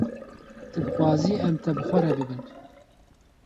Tu dixwazî em te bi xwe re bibin?